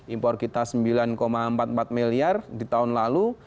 impor kita sembilan empat puluh empat miliar di tahun lalu